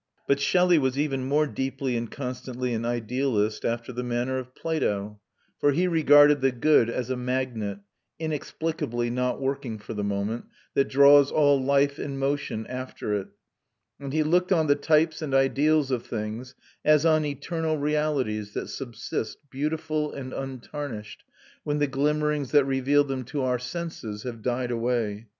But Shelley was even more deeply and constantly an idealist after the manner of Plato; for he regarded the good as a magnet (inexplicably not working for the moment) that draws all life and motion after it; and he looked on the types and ideals of things as on eternal realities that subsist, beautiful and untarnished, when the glimmerings that reveal them to our senses have died away.